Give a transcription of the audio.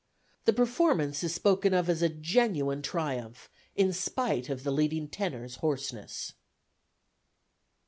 The performance is spoken of as a genuine triumph, in spite of the leading tenor's hoarseness.